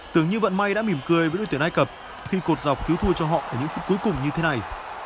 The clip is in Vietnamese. tưởng như vận may đã mỉm cười với đội tuyển ai cập khi cột dọc cứu thua cho họ ở những phút cuối cùng như thế này